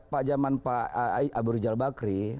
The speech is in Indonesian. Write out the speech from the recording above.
pak jaman pak abu rijal bakri